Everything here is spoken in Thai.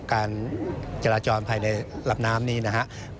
การจราจรภายในรับน้ำนี้นะครับ